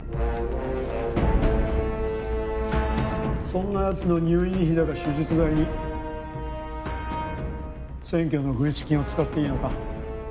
そんな奴の入院費だか手術代に選挙の軍資金を使っていいのか？